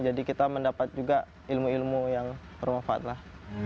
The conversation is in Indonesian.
jadi kita mendapat juga ilmu ilmu yang bermanfaat lah